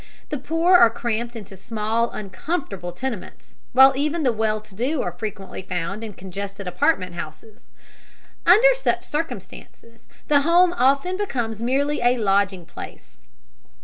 The poor are cramped into small, uncomfortable tenements, while even the well to do are frequently found in congested apartment houses. Under such circumstances, the home often becomes merely a lodging place.